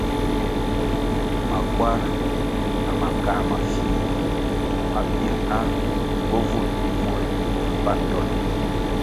Makwar na makā mafih ma bir na bovulʼ bihvul na pan dol.